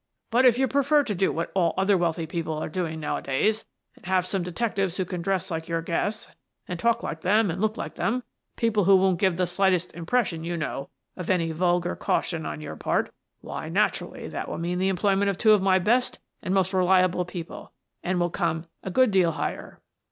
But if you prefer to do what all other wealthy people are doing nowadays, and have some detectives who can dress like your guests, and talk like them and look like them — people who won't give the slightest impression, you know, of any vulgar cau At "The Listening Pipes" 13 tion on your part — why, naturally, that will mean the employment of two of my best and most reliable people, and will come a good deal higher."